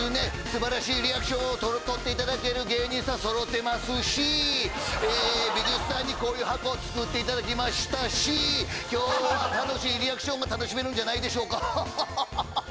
素晴らしいリアクションをとっていただる芸人さん揃てますしえ美術さんにこういう箱を作っていただきましたし今日は楽しいリアクションが楽しめるんじゃないでしょうかハッハハ